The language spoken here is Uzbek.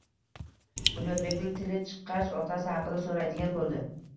Bunyodbekning tili chiqqach, otasi haqida soʻraydigan boʻldi